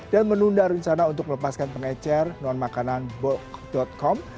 dan menunda rencana untuk melepaskan pengecer nonmakanan bulk com